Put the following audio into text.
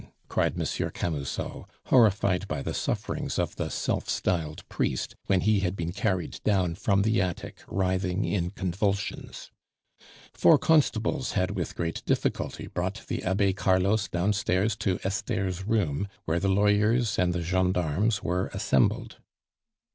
cried Monsieur Camusot, horrified by the sufferings of the self styled priest when he had been carried down from the attic writhing in convulsions. Four constables had with great difficulty brought the Abbe Carlos downstairs to Esther's room, where the lawyers and the gendarmes were assembled.